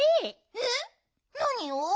えっなにを？